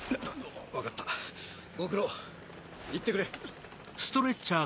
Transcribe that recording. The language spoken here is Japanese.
分かったご苦労行ってくれ。